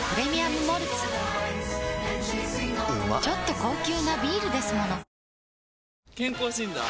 ちょっと高級なビールですもの健康診断？